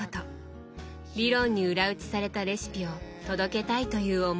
理論に裏打ちされたレシピを届けたいという思いです。